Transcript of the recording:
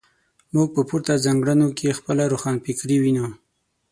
موږ په پورته ځانګړنو کې خپله روښانفکري وینو.